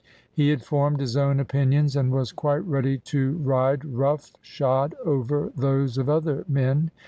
He had formed his own opinions and was quite ready to ride rough shod over those of other men.